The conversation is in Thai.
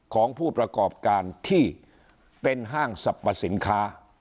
ของผู้ประกอบการที่เป็นห้างสรรพสินค้า